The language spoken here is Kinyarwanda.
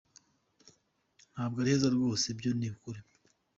Ntabwo ari heza rwose byo ni ukuri.